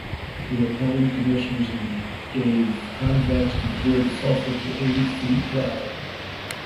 They appointed commissioners and gave contracts to clear the Sulphur to eighty feet wide.